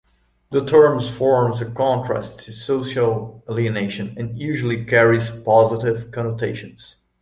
The term forms a contrast to social alienation and usually carries positive connotations.